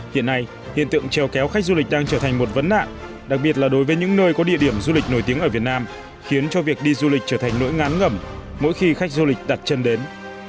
hiện nay hiện tượng treo kéo khách du lịch đang trở thành một vấn nạn đặc biệt là đối với những nơi có địa điểm du lịch nổi tiếng ở việt nam khiến cho việc đi du lịch trở thành nỗi ngán ngẩm mỗi khi khách du lịch đặt chân đến